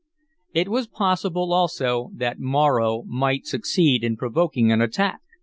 It was possible, also, that Morro might succeed in provoking an attack.